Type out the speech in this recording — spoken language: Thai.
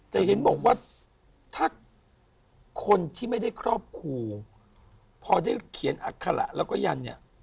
แต่เห็นบอกว่าถ้าคนที่ไม่ได้ครอบครูพอได้เขียนอัคระแล้วก็ยันเนี่ย